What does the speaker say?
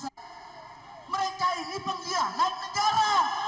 mereka ini penggianat negara